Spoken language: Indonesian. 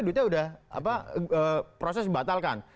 duitnya udah proses dibatalkan